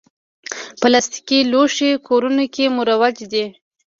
پلاستيکي لوښي کورونو کې مروج دي.